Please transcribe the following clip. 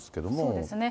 そうですね。